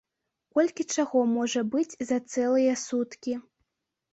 Колькі чаго можа быць за цэлыя суткі.